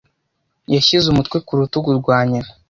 Yashyize umutwe ku rutugu rwa nyina.